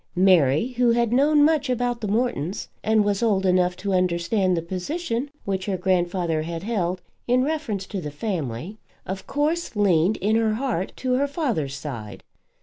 Mary, who had known much about the Mortons, and was old enough to understand the position which her grandfather had held in reference to the family, of course leaned in her heart to her father's side.